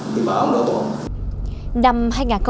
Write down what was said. thì bảo đổ bộ